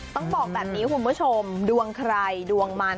ต้องบอกแบบนี้คุณผู้ชมดวงใครดวงมัน